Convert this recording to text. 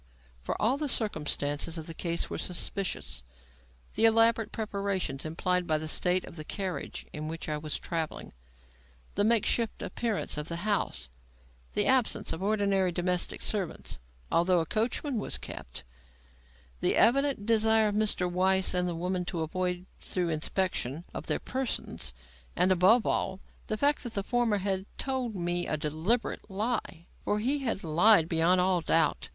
For all the circumstances of the case were suspicious. The elaborate preparations implied by the state of the carriage in which I was travelling; the make shift appearance of the house; the absence of ordinary domestic servants, although a coachman was kept; the evident desire of Mr. Weiss and the woman to avoid thorough inspection of their persons; and, above all, the fact that the former had told me a deliberate lie. For he had lied, beyond all doubt.